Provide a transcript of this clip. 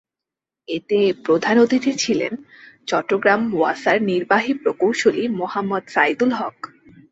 এতে প্রধান অতিথি ছিলেন চট্টগ্রাম ওয়াসার নির্বাহী প্রকৌশলী মোহাম্মদ সাইদুল হক।